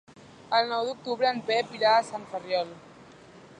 El nou d'octubre en Pep irà a Sant Ferriol.